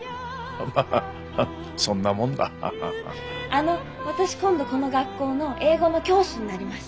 あの私今度この学校の英語の教師になります